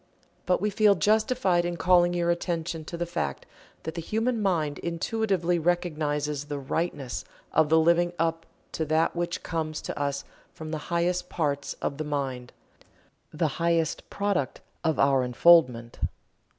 But we feel justified in calling your attention to the fact that the human mind intuitively recognizes the "Rightness" of the living up to that which comes to us from the highest parts of the mind the highest product of our unfoldment.